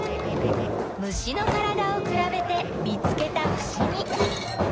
虫のからだをくらべて見つけたふしぎ。